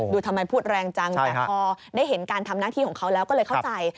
ทำไมพูดแรงจังแต่พอได้เห็นการทำหน้าที่ของเขาแล้วก็เลยเข้าใจ